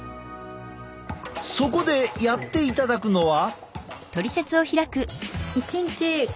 そこでやっていただくのは。